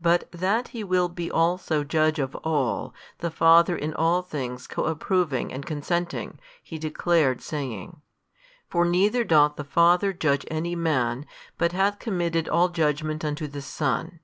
But that He will be also Judge of all, the Father in all things co approving and consenting, He declared, saying, For neither doth the Father judge any man, but hath committed all judgment unto the Son.